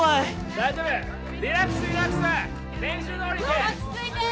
大丈夫リラックスリラックス練習どおりで落ち着いて！